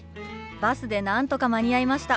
バスでなんとか間に合いました。